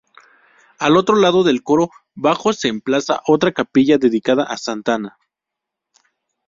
Al otro lado del coro bajo se emplaza otra capilla dedicada a Santa Ana.